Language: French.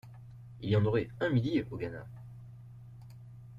Il y en aurait un millier au Ghana.